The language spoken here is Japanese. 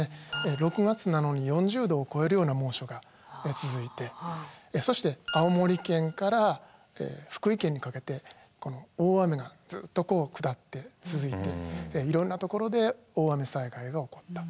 ６月なのに４０度を超えるような猛暑が続いてそして青森県から福井県にかけて大雨がずっとこう下って続いていろんな所で大雨災害が起こった。